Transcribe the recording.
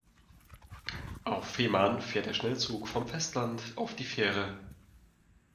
Auf Fehmarn fährt der Schnellzug vom Festland auf die Fähre.